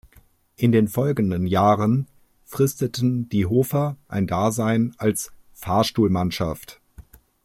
In den folgenden Jahren fristeten die Hofer ein Dasein als „Fahrstuhlmannschaft“.